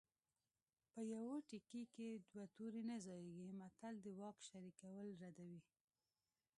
په یوه تیکي کې دوه تورې نه ځاییږي متل د واک شریکول ردوي